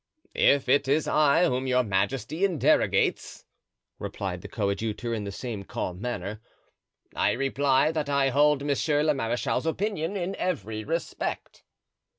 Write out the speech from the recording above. "If it is I whom your majesty interrogates," replied the coadjutor in the same calm manner, "I reply that I hold monsieur le marechal's opinion in every respect."